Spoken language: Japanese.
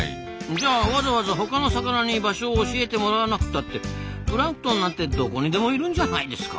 じゃあわざわざ他の魚に場所を教えてもらわなくたってプランクトンなんてどこにでもいるんじゃないですか？